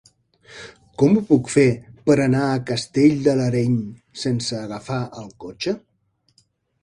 Com ho puc fer per anar a Castell de l'Areny sense agafar el cotxe?